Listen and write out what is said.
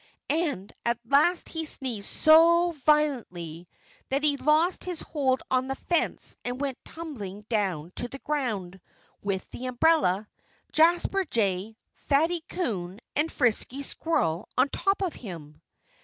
And at last he sneezed so violently that he lost his hold on the fence and went tumbling down to the ground, with the umbrella, Jasper Jay, Fatty Coon and Frisky Squirrel on top of him.